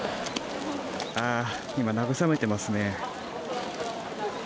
今、慰めていますね。